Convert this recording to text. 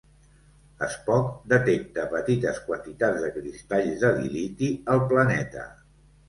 Spock detecta petites quantitats de cristalls de diliti al planeta.